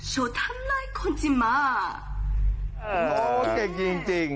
โหเก่งจริง